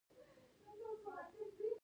د غریبانو لاسنیوی کول د خدای رضا ده.